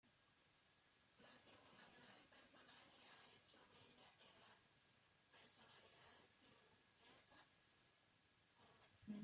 La singularidad del personaje ha hecho mella en la personalidad de Sigüenza como ciudad.